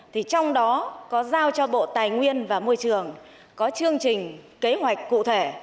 thì trong đó có giao cho bộ tài nguyên và môi trường có chương trình kế hoạch cụ thể